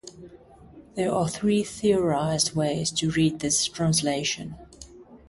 There are three theorized ways to read this translation.